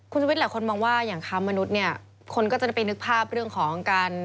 คุณชุวิตหลายคนมองว่าอย่างค้ามนุษย์เนี่ยคนก็จะได้ไปนึกภาพเรื่องของการ